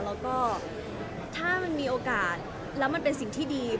แล้วก็ถ้ามันมีโอกาสแล้วมันเป็นสิ่งที่ดี